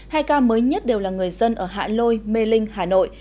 hai ca mới nhất đều là người dân ở hạ lôi mê linh hà nội